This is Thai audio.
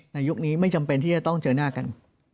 ยุคนี้ไม่จำเป็นที่จะต้องเจอหน้ากัน